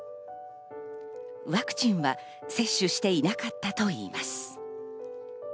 ワクチンは接種していなかったといいます。